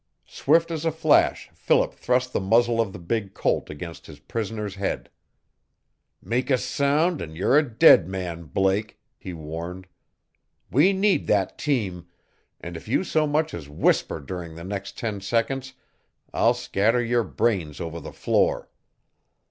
Swift as a flash Philip thrust the muzzle of the big Colt against his prisoner's head. "Make a sound and you're a dead man, Blake!" he warned. "We need that team, and if you so much as whisper during the next ten seconds I'll scatter your brains over the floor!"